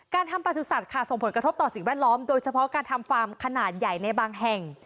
การทำประสุทธิ์ค่ะส่งผลกระทบต่อสิ่งแวดล้อมโดยเฉพาะการทำฟาร์มขนาดใหญ่ในบางแห่ง